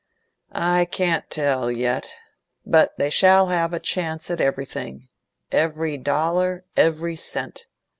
"I can't tell, yet. But they shall have a chance at everything every dollar, every cent.